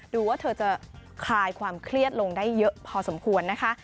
ดูว่าเธอจะคลายความเครียดลงได้เยอะพอสมควรนะคะ